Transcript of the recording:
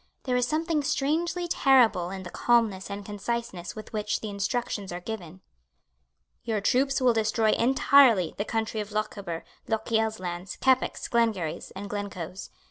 There is something strangely terrible in the calmness and conciseness with which the instructions are given. "Your troops will destroy entirely the country of Lochaber, Lochiel's lands, Keppoch's, Glengarry's and Glencoe's.